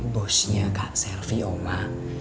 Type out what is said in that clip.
bosnya kak servi omah